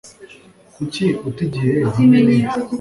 Kuki uta igihe hamwe nibi?